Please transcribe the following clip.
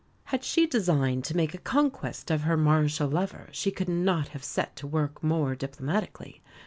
Had she designed to make a conquest of her martial lover she could not have set to work more diplomatically.